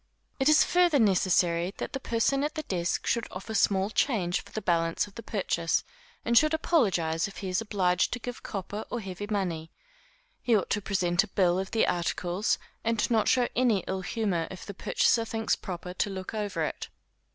It is further necessary that the person at the desk should offer small change for the balance of the purchase, and should apologise if he is obliged to give copper or heavy money; he ought to present a bill of the articles, and not show any ill humor if the purchaser thinks proper to look over it.